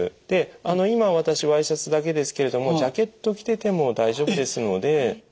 で今私ワイシャツだけですけれどもジャケット着てても大丈夫ですので。